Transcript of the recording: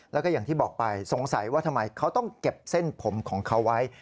แล้วก็อย่างที่บอกไปสงสัยว่าทำไมเขาต้องเก็บเส้นผมของเขาไว้